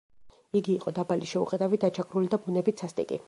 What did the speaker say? იგი იყო დაბალი, შეუხედავი, დაჩაგრული და ბუნებით სასტიკი.